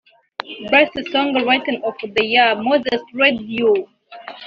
Best Song Writer of the year- Mose Radio